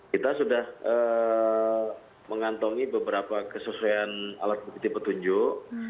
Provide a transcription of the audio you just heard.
kita sudah mengantongi beberapa kesesuaian alat bukti petunjuk